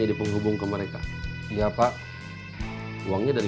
kel lien yang me enlarjakan tahu kalau bagaimana diri ini